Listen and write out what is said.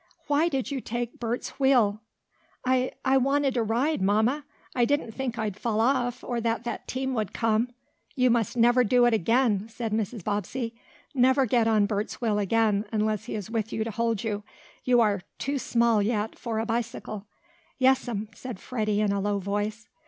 Why did you take Bert's wheel?" "I I wanted a ride, Mamma. I didn't think I'd fall off, or that the team would come." "You must never do it again," said Mrs. Bobbsey. "Never get on Bert's wheel again, unless he is with you to hold you. You are, too small, yet, for a bicycle." "Yes'm," said Freddie in a low voice.